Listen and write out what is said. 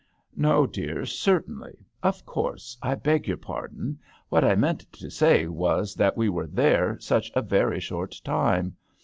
'* "No, dear, certainly; of course; I beg your pardon ; what I meant to say was that we were there such a very short time.